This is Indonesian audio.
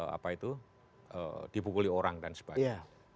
apa itu dipukuli orang dan sebagainya